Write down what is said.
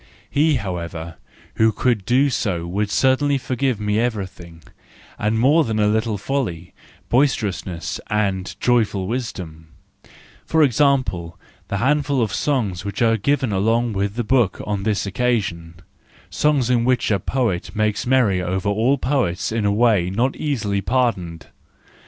He, however, who could do so would certainly forgive me everything, and more than a little folly, boisterous¬ ness and "Joyful Wisdom"—for example, the handful of songs which are given along with the book on this occasion,—songs in which a poet makes merry over all poets in a way not easily pardoned.